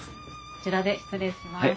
こちらで失礼します。